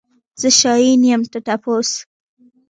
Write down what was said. زه شاين يم ته ټپوس.